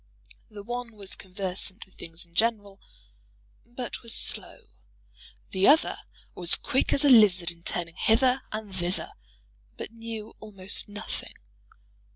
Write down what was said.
The one was conversant with things in general, but was slow; the other was quick as a lizard in turning hither and thither, but knew almost nothing.